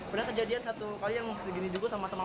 pernah kejadian satu kali yang segini juga sama sama